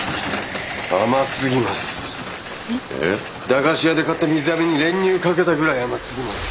駄菓子屋で買った水あめに練乳かけたぐらい甘すぎます。